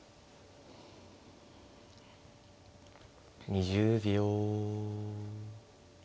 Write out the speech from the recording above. ２０秒。